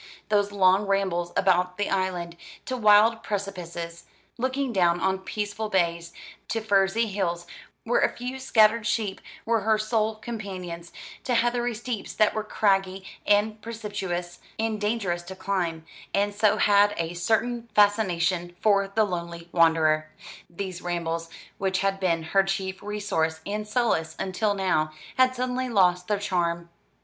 Those long rambles about the island, to wild precipices looking down on peaceful bays, to furzy hills where a few scattered sheep were her sole companions, to heathery steeps that were craggy and precipitous and dangerous to climb, and so had a certain fascination for the lonely wanderer these rambles, which had been her chief resource and solace until now, had suddenly lost their charm.